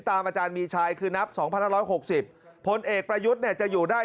ตามอาจารย์มีชายคือนับ๒๑๖๐ผลเอกประยุทธ์จะอยู่ได้